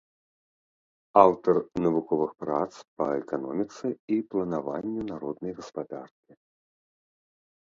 Аўтар навуковых прац па эканоміцы і планаванню народнай гаспадаркі.